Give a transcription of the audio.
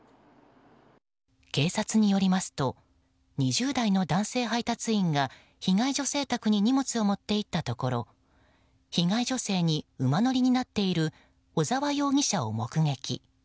警察によりますと２０代の男性配達員が被害女性宅に荷物を持って行ったところ被害女性に馬乗りになっている小沢容疑者を目撃。